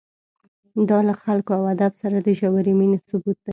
دا له خلکو او ادب سره د ژورې مینې ثبوت دی.